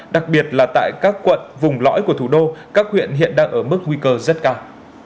đặc biệt là tại các quận vùng lõi của thủ đô các huyện hiện đang ở mức nguy cơ rất cao